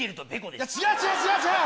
違う違う違う違う！